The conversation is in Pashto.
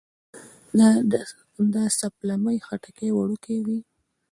د سپلمۍ خټکی وړوکی وي